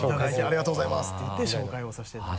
「ありがとうございます」て言って紹介をさせてもらう。